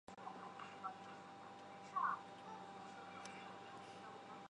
数字广播是指透过数字传播方式传送或者接收无线电频谱。